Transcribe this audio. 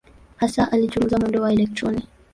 Hasa alichunguza mwendo wa elektroni.